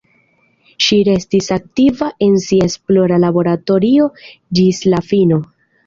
Ŝi restis aktiva en sia esplora laboratorio ĝis la fino.